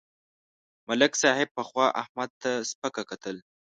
ملک صاحب پخوا احمد ته سپکه کتل.